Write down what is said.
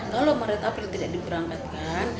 kalau maret april tidak diberangkatkan